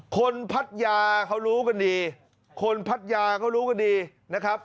พัทยาเขารู้กันดีคนพัทยาเขารู้กันดีนะครับ